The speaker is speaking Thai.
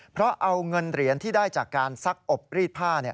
เพราะเอาเงินเหรียญที่ได้จากการซักอบรีดผ้า